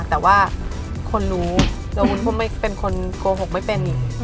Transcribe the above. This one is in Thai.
แต่ว่าคนรู้ตัววุ้นเป็นคนโกหกไม่เป็น